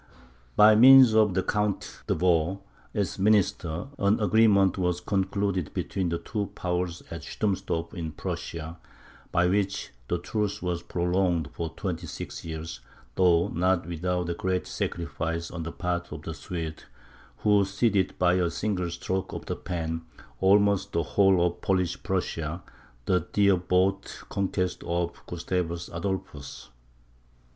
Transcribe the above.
By means of the Count d'Avaux, its minister, an agreement was concluded between the two powers at Stummsdorf in Prussia, by which the truce was prolonged for twenty six years, though not without a great sacrifice on the part of the Swedes, who ceded by a single stroke of the pen almost the whole of Polish Prussia, the dear bought conquest of Gustavus Adolphus.